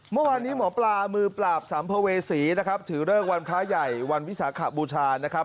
เมื่อวานนี้หมอปลามือปราบสัมภเวษีนะครับถือเลิกวันพระใหญ่วันวิสาขบูชานะครับ